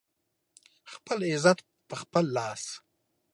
خپل عزت په خپل لاس